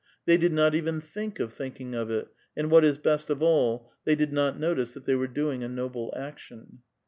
They did not even think of thinking of it, and what is best of all, they did not notice that they were doing a noble action.